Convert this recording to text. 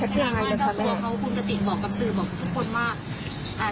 คุณปฏิบอกกับสื่อบอกทุกคนว่า